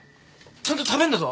ちゃんと食べんだぞ。